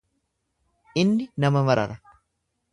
Inni nama marara.